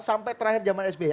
sampai terakhir zaman sbi